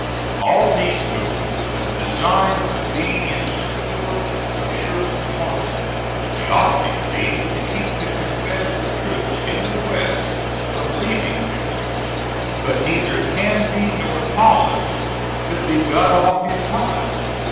All these movements were designed to be in support of Sherman's march, the object being to keep the Confederate troops in the West from leaving there. But neither Canby nor Thomas could be got off in time.